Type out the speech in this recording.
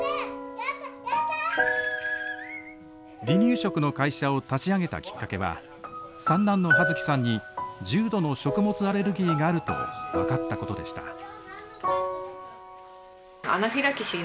離乳食の会社を立ち上げたきっかけは三男の葉月さんに重度の食物アレルギーがあると分かったことでした。